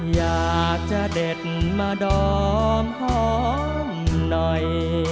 อยากจะเด็ดมาดอมหอมหน่อย